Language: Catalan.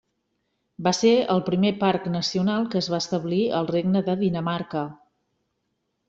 Va ser el primer parc nacional que es va establir al Regne de Dinamarca.